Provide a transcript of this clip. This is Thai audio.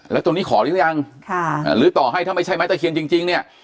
แล้วตรงนี้ขอหรือยังหรือต่อให้ถ้าไม่ใช่ไม้ตะเคียนจริงเนี่ย